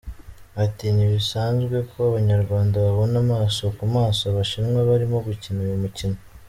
Ati: ”Ntibisanzwe ko Abanyarwanda babona amaso ku maso Abashinwa barimo gukina uyu mukino.